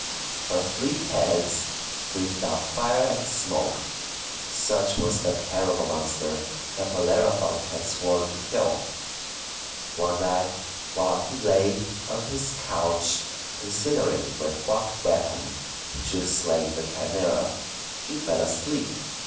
Her three heads breathed out fire and smoke. Such was the terrible monster that Bellerophon had sworn to kill. One night while he lay on his couch, consider ing with what weapon he should slay the Chi msera, he fell asleep.